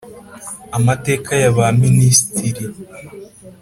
Amateka ya ba Minisitiri